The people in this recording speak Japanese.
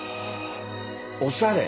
おしゃれ。